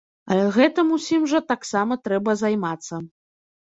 А гэтым усім жа таксама трэба займацца.